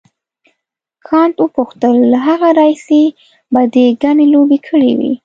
کانت وپوښتل له هغه راهیسې به دې ګڼې لوبې کړې وي.